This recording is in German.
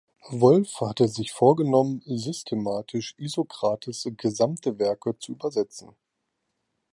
Wolf hatte sich vorgenommen, systematisch Isokrates’ gesamte Werke zu übersetzen.